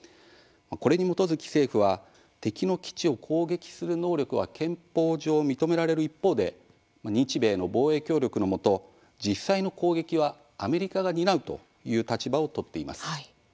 これに基づき政府は敵の基地を攻撃する能力は憲法上、認められる一方で日米の防衛協力のもと実際の攻撃はアメリカが担うという立場を取っています。